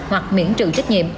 hoặc miễn trừ trách nhiệm